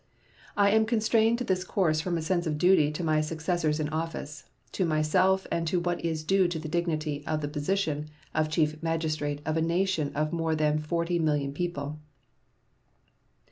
I am constrained to this course from a sense of duty to my successors in office, to myself, and to what is due to the dignity of the position of Chief Magistrate of a nation of more than 40,000,000 people.